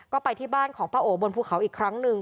ก็ไปที่บ้านของป้าโอบนภูเขาอีกครั้งหนึ่ง